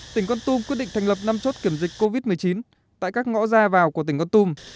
tỉnh con tum quyết định thành lập năm chốt kiểm dịch covid một mươi chín tại các ngõ ra vào của tỉnh con tum